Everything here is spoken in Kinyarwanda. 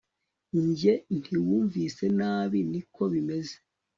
Njye ntiwumvise nabi niko bimeze